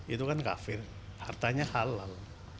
itu kan kafir hartanya halal